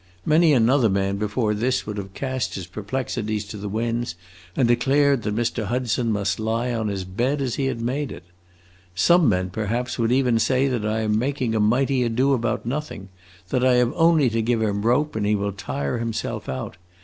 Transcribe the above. Many another man before this would have cast his perplexities to the winds and declared that Mr. Hudson must lie on his bed as he had made it. Some men, perhaps, would even say that I am making a mighty ado about nothing; that I have only to give him rope, and he will tire himself out.